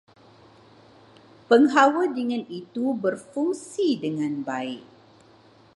Penghawa dingin itu berfungsi dengan baik.